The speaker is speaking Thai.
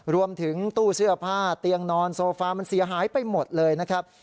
รวมถึงตู้เสื้อผ้าเตียงนอนโซฟามันเสียหายไปหมดเลยนะครับ